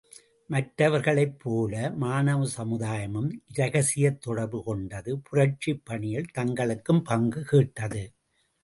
மற்றவர்களைப் போல, மாணவ சமுதாயமும் இரகசியத் தொடர்பு கொண்டது புரட்சிப் பணியில் தங்களுக்கும் பங்கு கேட்டது.